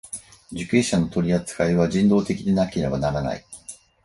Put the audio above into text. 受刑者の取扱いは人道的でなければならない。